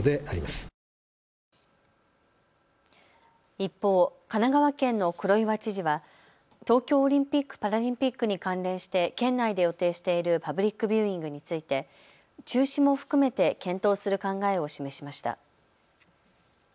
一方、神奈川県の黒岩知事は東京オリンピック・パラリンピックに関連して県内で予定しているパブリックビューイングについて中止も含めて検討する考えを示しました。